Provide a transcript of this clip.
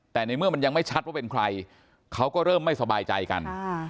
แต่ในเมื่อมันยังไม่ชัดว่าเป็นใครเขาก็เริ่มไม่สบายใจกัน